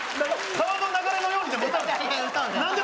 「川の流れのように」でも歌うの？